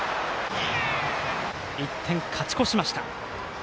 １点勝ち越しました。